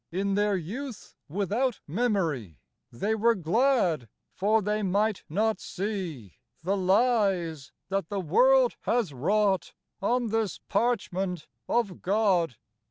In their youth without memory They were glad, for they might not see The lies that the world has wrought On this parchment of God.